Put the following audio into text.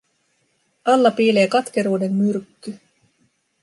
Alla piilee katkeruuden myrkky.